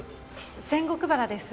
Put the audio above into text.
仙石原です。